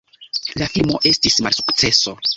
La filmo estis malsukceso.